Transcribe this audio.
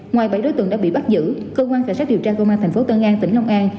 ngoài bảy đối tượng đã bị bắt giữ cơ quan cảnh sát điều tra công an thành phố tân an tỉnh long an